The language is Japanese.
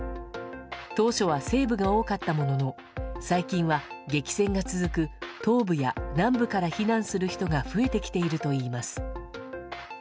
当初は西部が多かったものの最近は激戦が続く東部や南部から避難する人が増えてきているといいます。